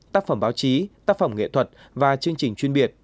tác phẩm báo chí tác phẩm nghệ thuật và chương trình chuyên biệt